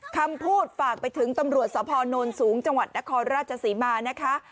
คำพูดฝากไปถึงตำรวจสพนสูงจังหวัดนครราชศรีมานะคะ